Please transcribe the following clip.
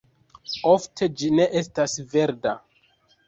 Ofte ĝi ne estas verda.